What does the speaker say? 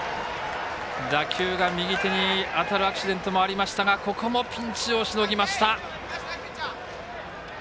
打球が右手に当たるアクシデントもありましたがここもピンチをしのぎました。